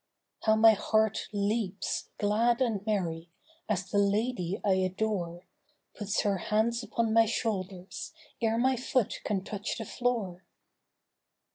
How my heart leaps glad and merry, as the lady I adore Puts her hands upon my shoulders ere my foot can touch the floor.